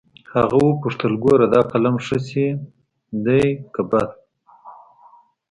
هغه وپوښتل ګوره دا قلم ښه شى ديه که بد.